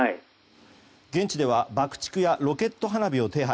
現地では爆竹やロケット花火を手配。